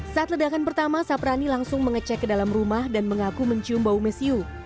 saat ledakan pertama saprani langsung mengecek ke dalam rumah dan mengaku mencium bau mesiu